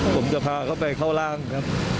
ผมจะพาเขาไปเข้าร่างครับ